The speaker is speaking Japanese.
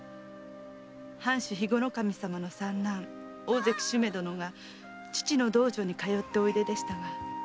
藩主肥後守様の三男大関主馬殿が父の道場に通っておいででした。